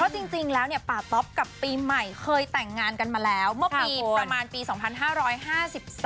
จริงแล้วเนี่ยป่าต๊อปกับปีใหม่เคยแต่งงานกันมาแล้วเมื่อปีประมาณปี๒๕๕๓